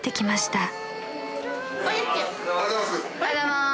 おはようございます。